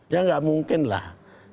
ya gak mungkin lah